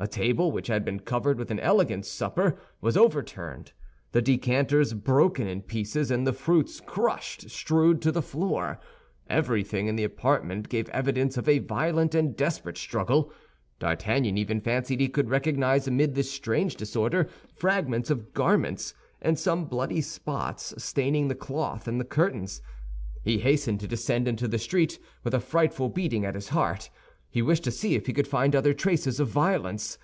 A table, which had been covered with an elegant supper, was overturned. The decanters broken in pieces, and the fruits crushed, strewed the floor. Everything in the apartment gave evidence of a violent and desperate struggle. D'Artagnan even fancied he could recognize amid this strange disorder, fragments of garments, and some bloody spots staining the cloth and the curtains. He hastened to descend into the street, with a frightful beating at his heart; he wished to see if he could find other traces of violence.